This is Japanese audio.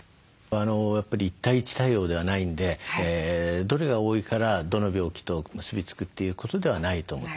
やっぱり１対１対応ではないんでどれが多いからどの病気と結び付くということではないと思ってください。